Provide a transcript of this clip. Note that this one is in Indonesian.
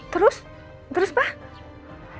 terus terus pak